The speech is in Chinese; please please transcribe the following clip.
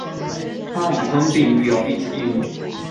他已婚并育有一子一女。